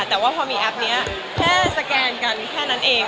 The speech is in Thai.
แต่ว่าพอมีแอปนี้แค่สแกนกันแค่นั้นเอง